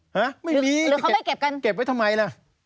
ฮะไม่มีหรือเขาไปเก็บกันเก็บไว้ทำไมล่ะ